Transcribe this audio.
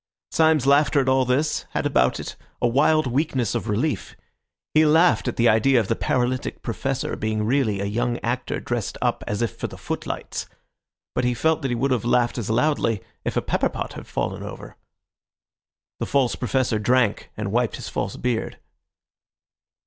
Syme's laughter at all this had about it a wild weakness of relief. He laughed at the idea of the paralytic Professor being really a young actor dressed up as if for the foot lights. But he felt that he would have laughed as loudly if a pepperpot had fallen over. The false Professor drank and wiped his false beard.